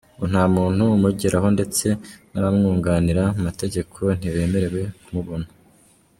Ngo nta muntu umugeraho, ndetse n'abamwunganira mu mategeko ntibemerewe ku mubona.